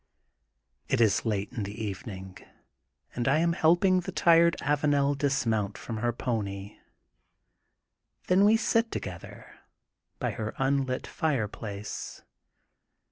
It is late in the evening, and I am helping the tired Avanel dismount from her pony. Then. we sit together by her unlit fireplace.